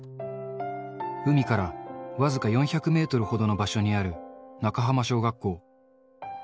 海から僅か４００メートルほどの場所にある中浜小学校。